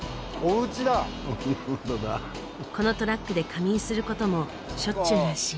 このトラックで仮眠することもしょっちゅうらしい。